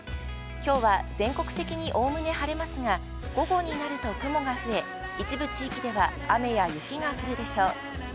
きょうは全国的におおむね晴れますが、午後になると雲がふえ一部地域では雨や雪が降るでしょう。